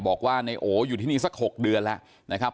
บอกว่านายโออยู่ที่นี่สัก๖เดือนแล้วนะครับ